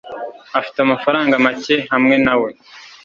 afite amafaranga make hamwe na we